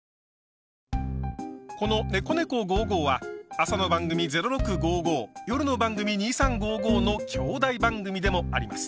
この「ねこねこ５５」は朝の番組「０６５５」夜の番組「２３５５」の兄弟番組でもあります。